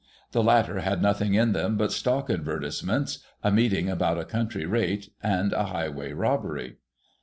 The latter had nothing in them but stock advertisements, a meeting about a county rate, and a highway robbery.